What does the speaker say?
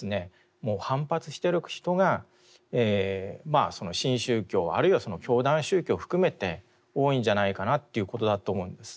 もう反発してる人がまあその新宗教あるいは教団宗教を含めて多いんじゃないかなということだと思うんです。